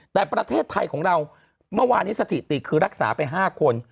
แต่ประเทศไทยของเราเมื่อวานนี้สถิติคือรักษาไป๕คน